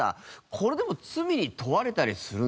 これでも罪に問われたりするんですか？